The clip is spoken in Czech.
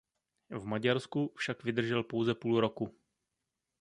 V Maďarsku však vydržel pouze půl roku.